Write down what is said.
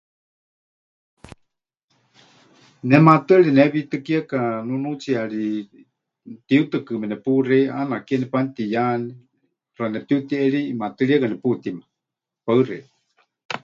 Ne maatɨari nehewiitɨkieka nunuutsiyari tiyútɨkɨɨme nepuxei, ʼaana ke nepanutiyá, ʼaxa nepɨtiutiʼeri, ʼimaatɨrieka neputíma. Paɨ xeikɨ́a.